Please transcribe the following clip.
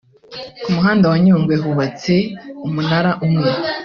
Ku muhanda wa Nyungwe hubatse umunara umwe